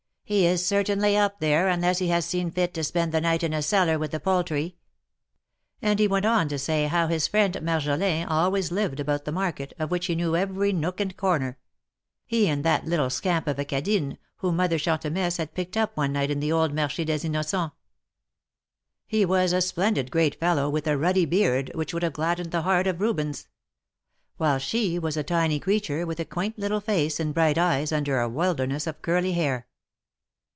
He is certainly up there, unless he has seen fit to spend the night in a cellar with the poultry." And he went on to say how his friend Marjolin always lived about the market, of which he knew every nook and corner — he and that little scamp of a Cadine whom Mother Chantemesse had picked up one night in the old THE MARKETS OF PARIS. 49 Marche des Innocents. He was a splendid great fellow, with a ruddy beard which would have gladdened the heart of Rubens : while she was a tiny creature, with a quaint little face and bright eyes under a wilderness of curly hair.